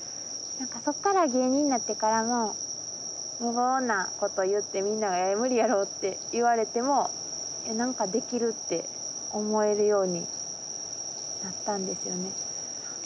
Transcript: そっから芸人になってからも無謀なこと言ってみんなから無理やろって言われても何かできるって思えるようになったんですよね。